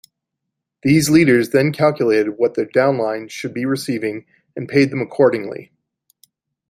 These leaders then calculated what their downlines should be receiving and paid them accordingly.